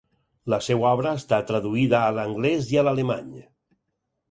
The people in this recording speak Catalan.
La seva obra ha estat traduïda a l'anglès i a l'alemany.